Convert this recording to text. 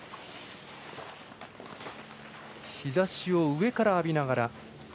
日ざしを上から浴びながら。